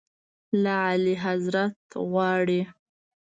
له اعلیحضرت غواړي.